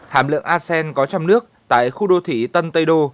hàm lượng acen có trong nước tại khu đô thị tân tây đô